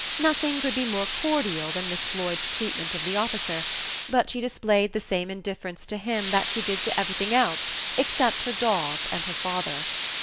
Nothing could be more cordial than Miss Floyd's treatment of the officer; but she displayed the same indifference to him that she did to everything else except her dog and her father.